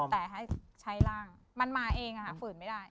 แต่ให้ใช้ร่างมันมาเองฝืนไม่ได้